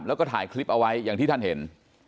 แล้วก็ถ่ายคลิปเอาไว้อย่างที่ท่านเห็น